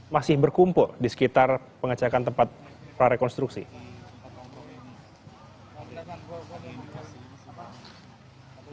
masih berkumpul di sekitar pengecekan tempat prarekonstruksi